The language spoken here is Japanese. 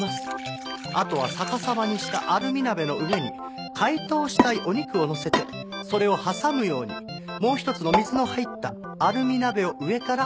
あとは逆さまにしたアルミ鍋の上に解凍したいお肉をのせてそれを挟むようにもう一つの水の入ったアルミ鍋を上から置きます。